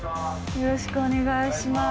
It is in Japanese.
よろしくお願いします。